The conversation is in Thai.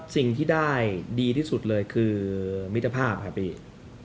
สิ่งที่ได้ดีที่สุดเลยคือมิตรภาพครับพี่